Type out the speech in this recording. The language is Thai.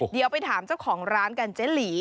เดี๋ยวไปถามเจ้าของร้านกันเจ๊หลี